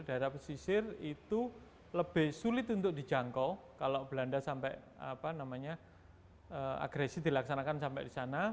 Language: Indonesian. daerah pesisir itu lebih sulit untuk dijangkau kalau belanda sampai agresi dilaksanakan sampai di sana